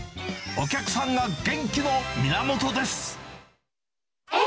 お客さんが元気の源です。